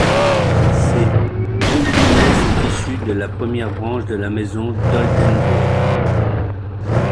Ces deux lignées sont issues de la première branche de la maison d'Oldenbourg.